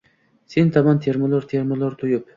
Sen tomon termular, termular to’yib